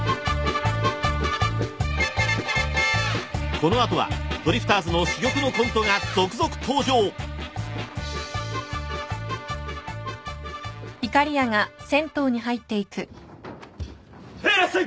［この後はドリフターズの珠玉のコントが続々登場］へいらっしゃい。